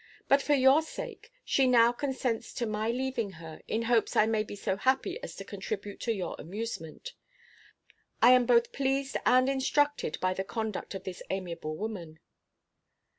But for your sake, she now consents to my leaving her, in hopes I may be so happy as to contribute to your amusement. I am both pleased and instructed by the conduct of this amiable woman.